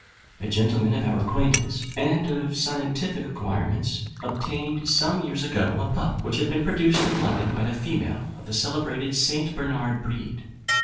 A gentleman of our acquaintance, and of scientific acquirements, obtained some years ago a pup, which had been produced in London by a female of the celebrated St. Bernard breed.